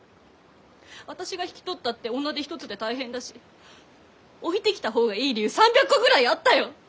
あたしが引き取ったって女手一つで大変だし置いてきた方がいい理由３００個ぐらいあったよ！